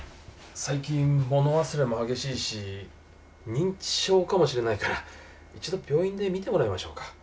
最近物忘れも激しいし認知症かもしれないから一度病院で診てもらいましょうか。